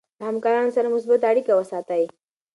له همکارانو سره مثبت اړیکه وساتئ.